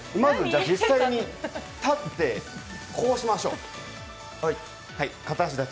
実際に立ってこうしましょう、片足立ち。